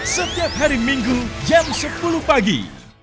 setiap hari minggu jam sepuluh pagi